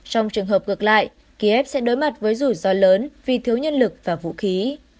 trong trường hợp ngược lại kiev sẽ đối mặt với rủi ro lớn vì thiếu nhân lực và vũ khí